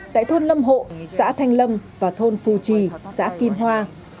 tại thôn lâm hộ xã thanh lâm và thôn phù trì xã kim hoa